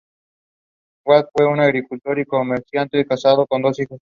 Gao, fue un agricultor y comerciante casado y con dos hijos.